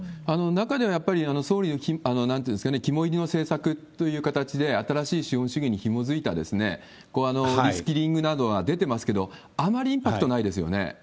中では、やっぱり総理の肝煎りの政策という形で、新しい資本主義にひもづいたリスキリングなどが出ていますけれども、あまりインパクトないですよね。